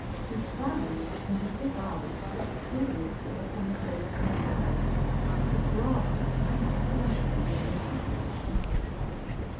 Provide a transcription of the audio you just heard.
He frowned, and his big eyes set seriously upon the blazing fire. He grasped complications in this information.